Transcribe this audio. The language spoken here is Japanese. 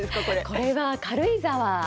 これは軽井沢の。